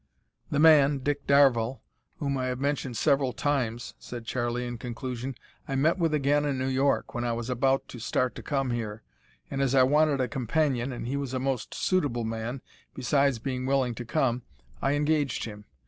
"The man, Dick Darvall, whom I have mentioned several times," said Charlie, in conclusion, "I met with again in New York, when I was about to start to come here, and as I wanted a companion, and he was a most suitable man, besides being willing to come, I engaged him.